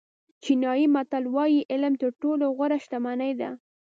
چینایي متل وایي علم تر ټولو غوره شتمني ده.